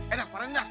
eh ntar para ntar